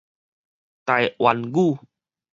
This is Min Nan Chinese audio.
台灣語